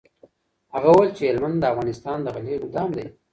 هغه وویل چي هلمند د افغانستان د غلې ګودام دی.